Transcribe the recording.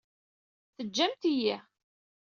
Teǧǧamt-iyi!